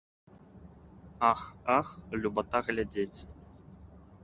Ах, ах, любата глядзець!